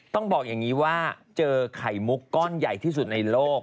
ต้องบอกอย่างนี้ว่าเจอไข่มุกก้อนใหญ่ที่สุดในโลก